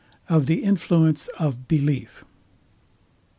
OF THE INFLUENCE OF BELIEF.